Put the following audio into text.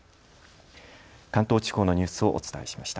関東地方のニュースをお伝えしました。